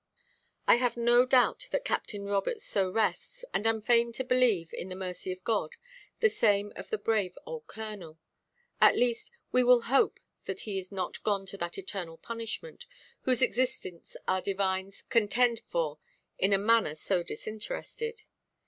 I have no doubt that Captain Roberts so rests, and am fain to believe, in the mercy of God, the same of the brave old Colonel. At least, we will hope that he is not gone to that eternal punishment, whose existence our divines contend for in a manner so disinterested.